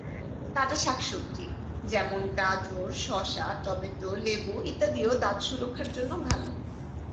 তাজা শাক-সবজি যেমন গাজর, শসা, টমেটো, লেবু ইত্যাদিও দাঁত সুরক্ষার জন্য ভালো।